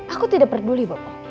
aku tidak peduli bapak